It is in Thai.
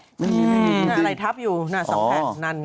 นั่นอะไรทัพอยู่นั่น๒แผสนั่นน่ะ